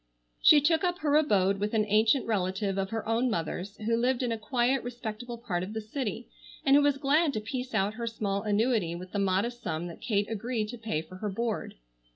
She took up her abode with an ancient relative of her own mother's, who lived in a quiet respectable part of the city, and who was glad to piece out her small annuity with the modest sum that Kate agreed to pay for her board.